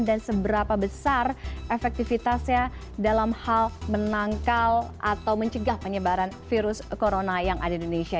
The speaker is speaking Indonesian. dan seberapa besar efektivitasnya dalam hal menangkal atau mencegah penyebaran virus corona yang ada di indonesia